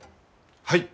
はい！